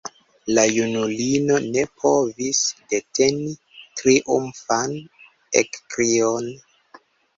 La junulino ne povis deteni triumfan ekkrion.